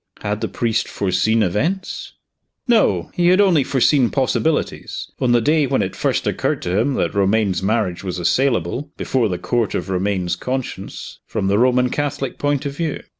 Had the priest foreseen events? No he had only foreseen possibilities, on the day when it first occurred to him that Romayne's marriage was assailable, before the court of Romayne's conscience, from the Roman Catholic point of view.